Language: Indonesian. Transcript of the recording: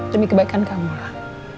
demi kebaikan kamu lah